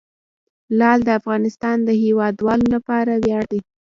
لعل د افغانستان د هیوادوالو لپاره ویاړ دی.